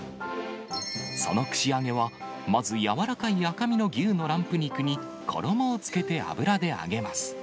その串揚げは、まず柔らかい赤身の牛のランプ肉に、衣をつけて油で揚げます。